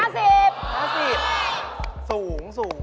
๕๐สูง